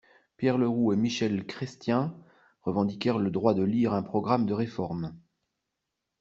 Pierre Leroux et Michel Chrestien revendiquèrent le droit de lire un programme de réformes.